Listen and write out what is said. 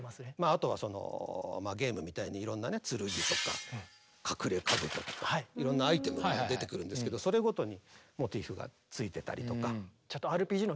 あとはゲームみたいにいろんなね剣とか隠れ兜とかいろんなアイテムが出てくるんですけどそれごとにモチーフがついてたりとか。